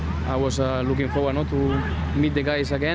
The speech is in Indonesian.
saya sangat berharap untuk bertemu dengan teman teman